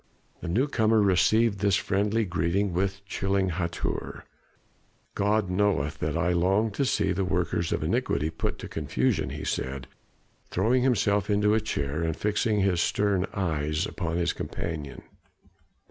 The newcomer received this friendly greeting with chilling hauteur. "God knoweth that I long to see the workers of iniquity put to confusion," he said, throwing himself into a chair and fixing his stern eyes upon his companion.